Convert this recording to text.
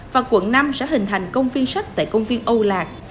và quận năm sẽ hình thành công viên sách tại công viên âu lạc